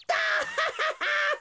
ハハハハハ。